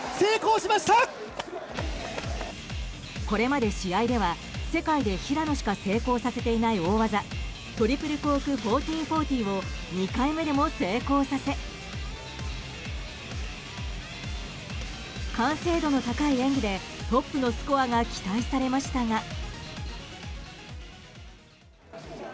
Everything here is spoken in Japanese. これまで試合では世界で平野しか成功させていない大技トリプルコーク１４４０を２回目でも成功させ完成度の高い演技でトップのスコアが期待されましたが。